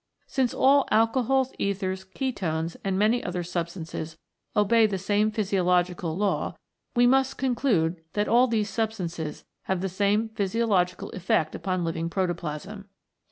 Since all 42 THE PROTOPLASMATIC MEMBRANE alcohols, ethers, ketones, and many other sub stances obey the same physiological law, we must conclude that all these substances have the same physiological effect upon living protoplasm.